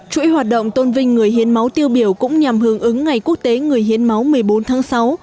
chuỗi hoạt động tôn vinh người hiến máu tiêu biểu cũng nhằm hưởng ứng ngày quốc tế người hiến máu một mươi bốn tháng sáu